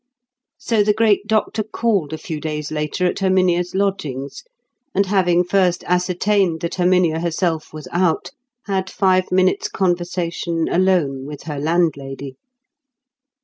So the great doctor called a few days later at Herminia's lodgings, and having first ascertained that Herminia herself was out, had five minutes' conversation alone with her landlady.